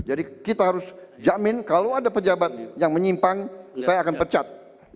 jadi kita harus jamin kalau ada pejabat yang menyimpang saya akan pecat